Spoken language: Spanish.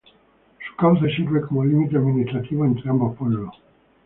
Su cauce sirve como límite administrativo entre ambos pueblos.